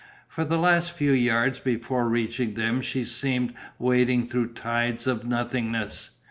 For the last few yards before reaching them she seemed wading through tides of nothingness.